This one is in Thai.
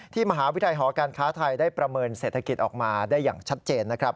มหาวิทยาลัยหอการค้าไทยได้ประเมินเศรษฐกิจออกมาได้อย่างชัดเจนนะครับ